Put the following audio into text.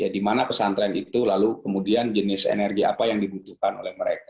di mana pesantren itu lalu kemudian jenis energi apa yang dibutuhkan oleh mereka